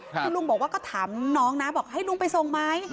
คือลุงบอกว่าก็ถามน้องนะบอกให้ลุงไปส่งไหม